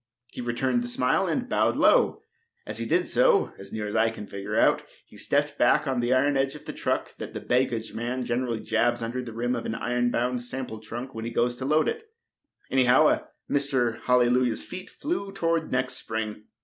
He returned the smile and bowed low. As he did so, as near as I can figure it out, he stepped back on the iron edge of the truck that the baggageman generally jabs under the rim of an iron bound sample trunk when he goes to load it. Anyhow, Mr. Hallelujah's feet flew toward next spring.